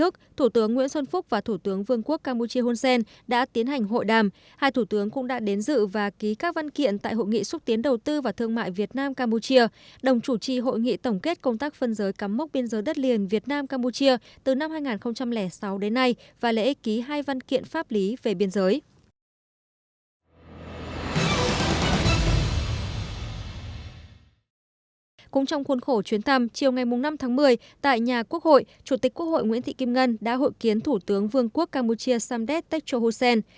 cũng trong khuôn khổ chuyến thăm chiều ngày năm tháng một mươi tại nhà quốc hội chủ tịch quốc hội nguyễn thị kim ngân đã hội kiến thủ tướng vương quốc campuchia samdet tekcho husen